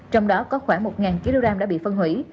trong đó có khoảng một kg đã bị phân hủy